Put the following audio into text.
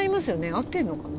合ってんのかな？